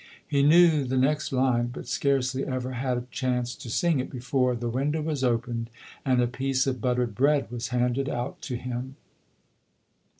He knew the next line but scarcely ever had chance to sing it before the window was opened and a piece of buttered bread was handed out to him.